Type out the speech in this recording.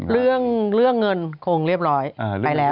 เรื่องเงินคงเรียบร้อยครับ